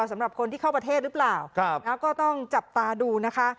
สำหรับคนที่เข้าประเทศหรือเปล่าก็ต้องจับตาดูนะคะ